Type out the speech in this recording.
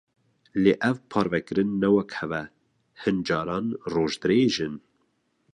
Lê ev parvekirin ne wek hev e; hin caran roj dirêj in.